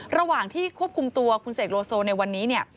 ระหว่างที่ควบคุมตัวคุณเสกโลโซในวันนี้